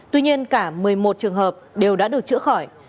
tuy nhiên cả một mươi một trường hợp đều đã được chữa khỏi